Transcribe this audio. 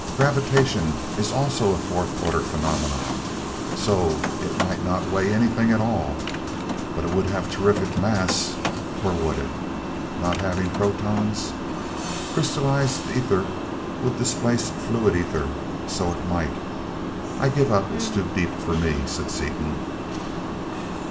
Gravitation is also a fourth order phenomenon, so it might not weigh anything at all but it would have terrific mass or would it, not having protons? Crystallized ether would displace fluid ether, so it might I'll give up! It's too deep for me!" said Seaton.